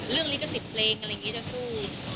ลิขสิทธิ์เพลงอะไรอย่างนี้จะสู้